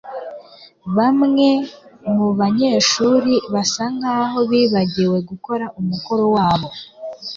Bamwe mubanyeshuri basa nkaho bibagiwe gukora umukoro wabo